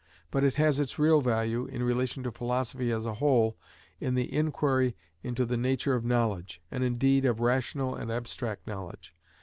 But it has its real value, in relation to philosophy as a whole, in the inquiry into the nature of knowledge, and indeed of rational and abstract knowledge.